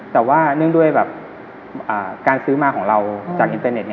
แต่ว่าเนื่องด้วยแบบการซื้อมาของเราจากอินเตอร์เน็ต